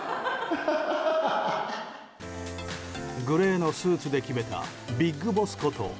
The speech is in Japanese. グレーのスーツできめたビッグボスこと